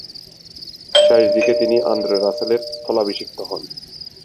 শেষদিকে তিনি আন্দ্রে রাসেলের স্থলাভিষিক্ত হন।